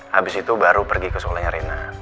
habis itu baru pergi ke sekolahnya rena